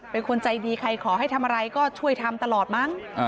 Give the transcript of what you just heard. เป็นคนใจดีใครขอให้ทำอะไรก็ช่วยทำตลอดมั้ง